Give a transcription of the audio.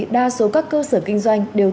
đa số các cơ sở kinh doanh đều